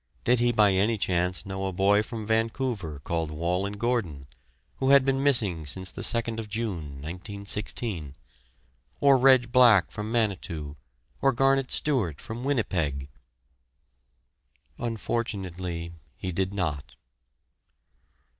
Did he by any chance know a boy from Vancouver called Wallen Gordon, who had been "Missing" since the 2d of June, 1916? Or Reg Black from Manitou? or Garnet Stewart from Winnipeg? Unfortunately, he did not.